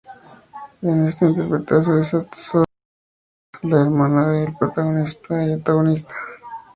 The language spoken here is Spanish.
En esta interpreta a Soledad "Sol" Cepeda, la hermana del protagonista y antagonista.